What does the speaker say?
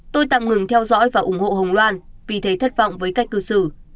tôi tạm ngừng theo dõi và ủng hộ hồng loan vì thế thất vọng với cách cư xử